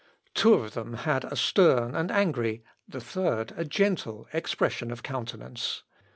Two of them had a stern and angry, the third, a gentle expression of countenance.